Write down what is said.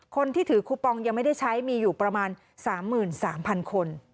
คนที่ถือคูปองยังไม่ได้ใช้มีอยู่ประมาณ๓๓๐๐๐คน